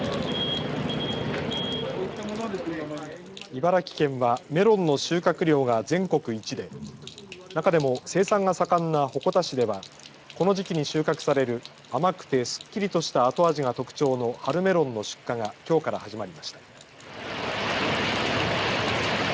茨城県はメロンの収穫量が全国一で中でも生産が盛んな鉾田市ではこの時期に収穫される甘くてすっきりとした後味が特徴の春メロンの出荷がきょうから始まりました。